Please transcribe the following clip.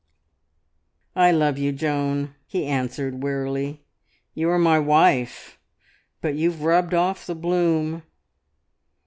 "I love you, Joan," he answered wearily. "You are my wife; but you've rubbed off the bloom!"